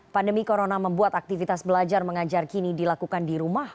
pandemi corona membuat aktivitas belajar mengajar kini dilakukan di rumah